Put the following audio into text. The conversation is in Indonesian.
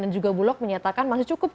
dan juga bulog menyatakan masih cukup